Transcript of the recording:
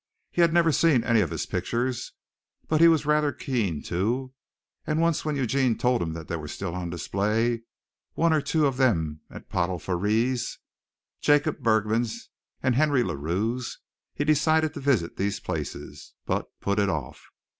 He had never seen any of his pictures, but he was rather keen to, and once when Eugene told him that they were still on display, one or two of them at Pottle Frères, Jacob Bergman's and Henry LaRue's, he decided to visit these places, but put it off.